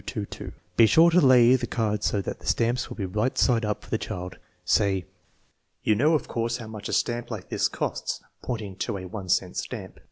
Be sure to lay the card so that the stamps will be right side up for the child. Say: " You know, of course, how much a stamp like this costs (pointing to a 1 cent stamp).